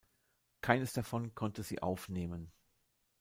Keines davon konnte sie aufnehmen.